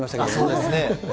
そうですね。